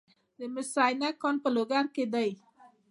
د مس عینک کان په لوګر کې دی